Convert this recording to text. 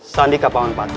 sandika paman pati